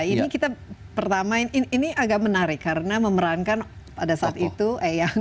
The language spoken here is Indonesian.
ini kita pertama ini agak menarik karena memerankan pada saat itu eyang